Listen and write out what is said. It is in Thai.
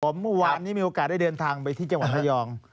เมื่อวานนี้มีโอกาสได้เดินทางไปที่จังหวัดระยอง